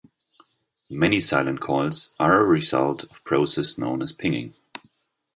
Many silent calls are a result of process known as pinging.